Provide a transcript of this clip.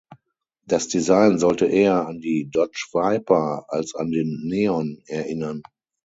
Das Design sollte eher an die Dodge Viper als an den Neon erinnern.